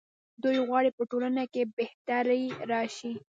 دوی غواړي په ټولنه کې بهتري راشي.